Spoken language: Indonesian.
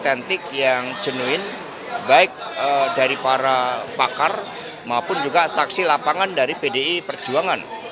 tetentik yang jenuin baik dari para pakar maupun juga saksi lapangan dari pdi perjuangan